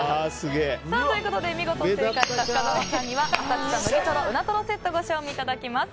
見事正解した深澤さんには浅草むぎとろ、うなとろセットをご賞味いただきます。